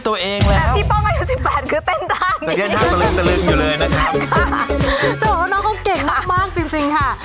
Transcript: ตอนนี้เพราะว่าห